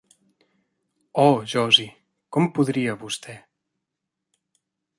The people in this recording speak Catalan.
Oh Josie, com podria vostè?